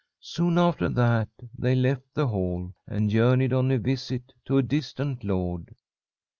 Soon after that, they left the hall, and journeyed on a visit to a distant lord.